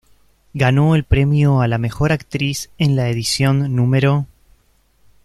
Ganó el premio a la Mejor Actriz en la edición No.